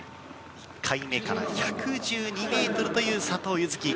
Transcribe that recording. １回目から１１２ｍという佐藤柚月